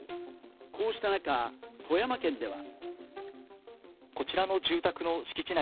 こうした中、富山県では。